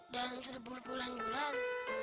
dan sudah bulan bulan